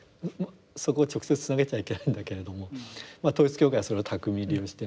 そこを直接つなげちゃいけないんだけれども統一教会はそれを巧みに利用しています。